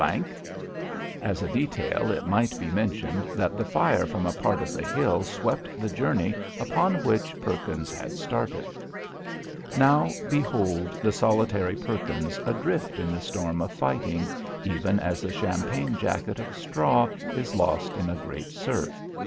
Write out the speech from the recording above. As a detail, it might be mentioned that the fire from a part of the hill swept the journey upon which Perkins had started. Now behold the solitary Perkins adrift in the storm of fighting, even as a champagne jacket of straw is lost in a great surf.